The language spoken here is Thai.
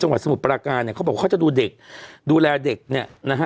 สมุทรปราการเนี่ยเขาบอกเขาจะดูเด็กดูแลเด็กเนี่ยนะฮะ